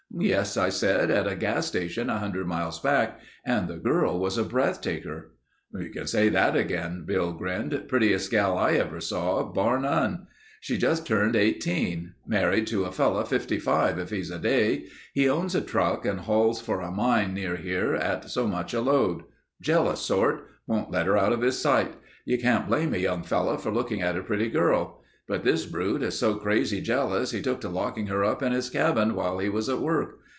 "Yes," I said. "At a gas station a hundred miles back, and the girl was a breath taker." "You can say that again," Bill grinned. "Prettiest gal I ever saw—bar none. She's just turned eighteen. Married to a fellow fifty five if he's a day. He owns a truck and hauls for a mine near here at so much a load. Jealous sort. Won't let her out of his sight. You can't blame a young fellow for looking at a pretty girl. But this brute is so crazy jealous he took to locking her up in his cabin while he was at work.